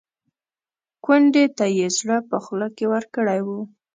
کونډې ته یې زړه په خوله کې ورکړی و.